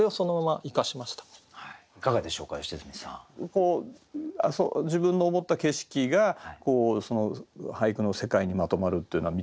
こう自分の思った景色が俳句の世界にまとまるというのは見てて楽しいよね。